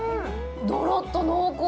どろっと濃厚。